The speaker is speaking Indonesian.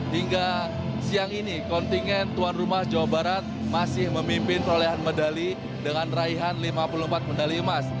hingga siang ini kontingen tuan rumah jawa barat masih memimpin perolehan medali dengan raihan lima puluh empat medali emas